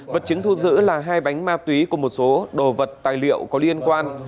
vật chứng thu giữ là hai bánh ma túy cùng một số đồ vật tài liệu có liên quan